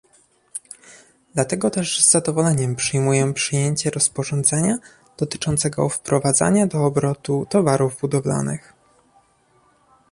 Dlatego też z zadowoleniem przyjmuję przyjęcie rozporządzenia dotyczącego wprowadzania do obrotu towarów budowlanych